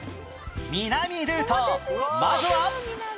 南ルートまずは